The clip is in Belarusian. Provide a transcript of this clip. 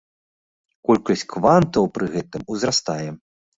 Колькасць квантаў пры гэтым узрастае.